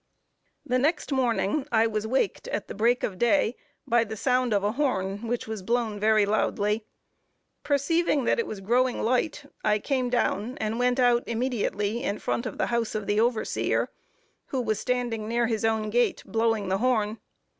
The next morning I was waked, at the break of day, by the sound of a horn, which was blown very loudly. Perceiving that it was growing light, I came down, and went out immediately in front of the house of the overseer, who was standing near his own gate, blowing the horn.